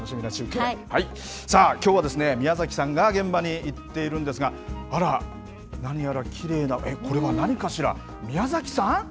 さあ、きょうは宮崎さんが現場に行っているんですが、あら、何やらきれいな、これは何かしら、宮崎さん。